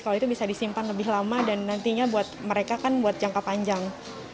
kalau itu bisa disimpan lebih lama dan nantinya mereka kan buat jangka panjang